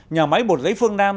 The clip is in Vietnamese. nhà máy bột giấy phương nam